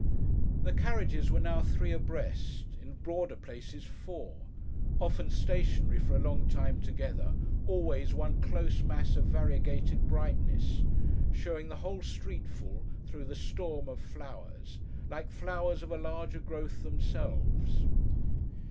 The carriages were now three abreast; in broader places four; often stationary for a long time together, always one close mass of variegated brightness; showing, the whole street full, through the storm of flowers, like flowers of a larger growth themselves.